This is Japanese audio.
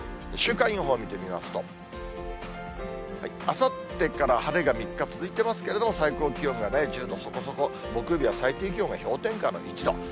週間予報見てみますと、あさってから晴れが３日続いてますけれども、最高気温が１０度そこそこ、木曜日は最低気温が氷点下の１度。